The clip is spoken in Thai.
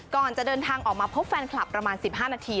ก่อนจะเดินทางออกมาพบแฟนคลับประมาณ๑๕นาที